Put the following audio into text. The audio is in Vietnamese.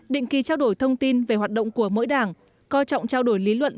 định kỳ trao đổi thông tin về hoạt động của mỗi đảng coi trọng trao đổi lý luận